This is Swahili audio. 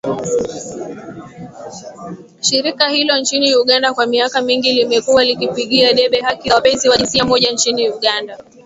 Shirika hilo nchini Uganda kwa miaka mingi limekuwa likipigia debe haki za wapenzi wa jinsia moja nchini Uganda